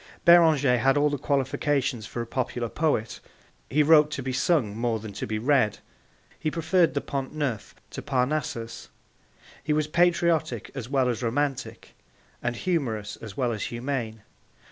Beranger had all the qualifications for a popular poet. He wrote to be sung more than to be read; he preferred the Pont Neuf to Parnassus; he was patriotic as well as romantic, and humorous as well as humane.